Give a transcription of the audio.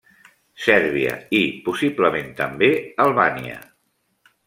Sèrbia i, possiblement també, Albània.